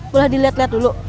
boleh dilihat lihat dulu